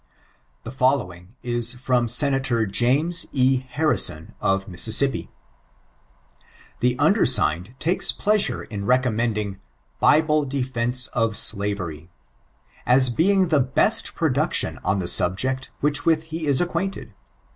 [THS FOLLOWINO IS FROM SENATOR JAR S. HA&&I80N, OF MISSISSIPPI] Thi undersigned takes pleasure in recommending "Bible Defence of Slavery," as being the best production on the subject with which he is acquainted.